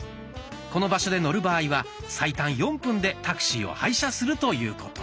この場所で乗る場合は最短４分でタクシーを配車するということ。